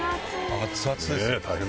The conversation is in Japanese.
熱々ですね。